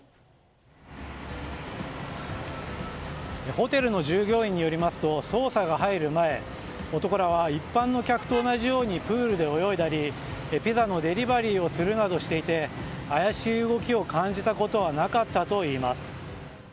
ホテルの従業員によりますと捜査が入る前男らは一般の客と同じようにプールで泳いだりピザのデリバリーをするなどしていて怪しい動きを感じたことはなかったといいます。